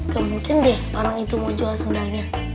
gak mungkin deh orang itu mau jual sendalnya